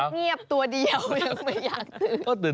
เงียบตัวเดียวยังไม่อยากตื่น